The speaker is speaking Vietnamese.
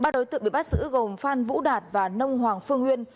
ba đối tượng bị bắt giữ gồm phan vũ đạt và nông hoàng phương nguyên